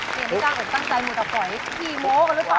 เจ๊มีก้าวเหมือนตั้งใจมุดออกไปพี่โม้กันรึเปล่า